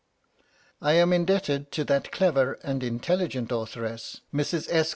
I am indebted to that clever and intelligent authoress, Mrs. S.